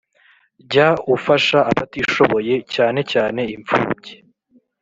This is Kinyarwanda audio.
Jya ufasha abatishoboye cyane cyane imfubyi